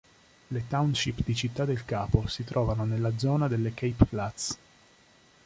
Le township di Città del Capo si trovano nella zona delle Cape Flats.